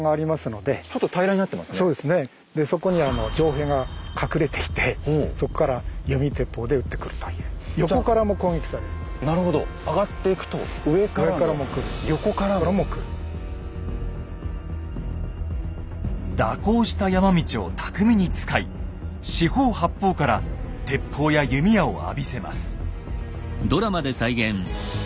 でそこにあのなるほど上がっていくと蛇行した山道を巧みに使い四方八方から鉄砲や弓矢を浴びせます。